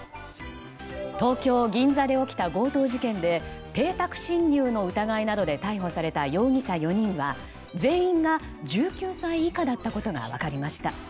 東京・銀座で起きた強盗事件で邸宅侵入の疑いなどで逮捕された容疑者４人は全員が１９歳以下だったことが分かりました。